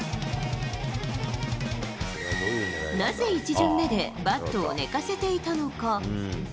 なぜ１巡目でバットを寝かせていたのか。